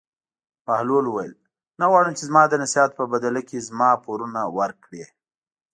بهلول وویل: نه غواړم چې زما د نصیحت په بدله کې زما پورونه ورکړې.